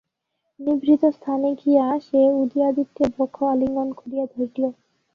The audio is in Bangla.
নিভৃত স্থানে গিয়া সে উদয়াদিত্যের বক্ষ আলিঙ্গন করিয়া ধরিল।